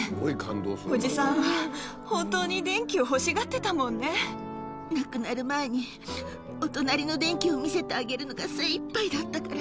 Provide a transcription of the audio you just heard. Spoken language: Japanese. おじさんは本当に電気を欲しがっ亡くなる前に、お隣の電気を見せてあげるのが、精いっぱいだったから。